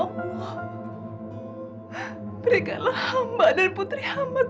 maafkan diri pak